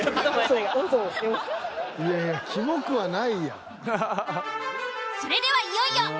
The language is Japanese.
いやいや。